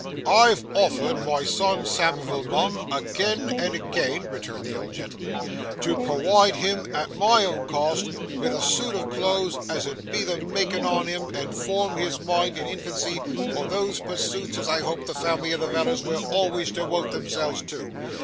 'I've offered my son Samivel, mum, agen and agen,' returned the old gentleman, 'to purwide him at my own cost vith a suit o' clothes as 'ud be the makin' on him, and form his mind in infancy for those pursuits as I hope the family o' the Vellers vill alvays dewote themselves to.